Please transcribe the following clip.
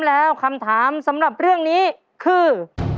แล้วคำถามสำหรับเรื่องนี้คือ